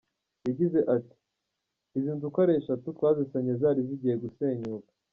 Yagize ati“Izi nzu uko ari eshatu twazisannye zari zigiye gusenyuka.